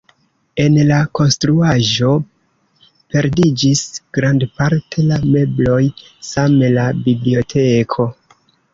En la konstruaĵo perdiĝis grandparte la mebloj, same la biblioteko.